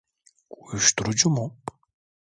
Uyuşturucu mu?